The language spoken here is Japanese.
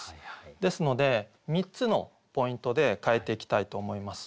ですので３つのポイントで変えていきたいと思います。